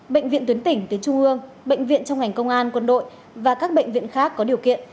bệnh viện tuyến tỉnh tuyến trung ương bệnh viện trong ngành công an quân đội và các bệnh viện khác có điều kiện